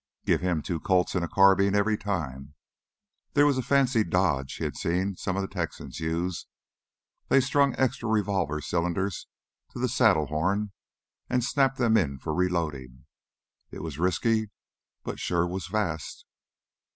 Give him two Colts and a carbine every time! There was a fancy dodge he had seen some of the Texans use; they strung extra revolver cylinders to the saddle horn and snapped them in for reloading. It was risky but sure was fast.